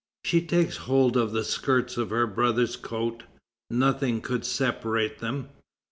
She takes hold of the skirts of her brother's coat. Nothing could separate them.